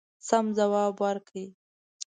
سم جواب ورکړ.